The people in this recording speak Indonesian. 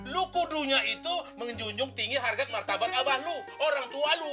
lo kudunya itu menjunjung tinggi harga martabat abah lo orang tua lo